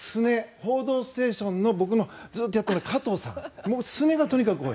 「報道ステーション」の僕のずっとやっているカトウさんすねがとにかく多い。